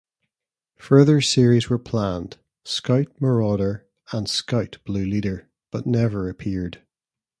Further series were planned, "Scout: Marauder" and "Scout: Blue Leader", but never appeared.